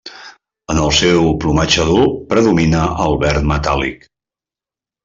En el seu plomatge adult predomina el verd metàl·lic.